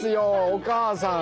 お母さん。